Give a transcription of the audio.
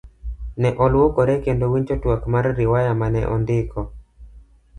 Ne oluokore kendo winjo twak mar riwaya mane ondiko.